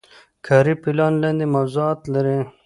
کاري پلان لاندې موضوعات لري.